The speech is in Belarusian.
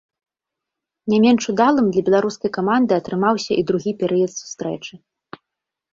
Не менш удалым для беларускай каманда атрымаўся і другі перыяд сустрэчы.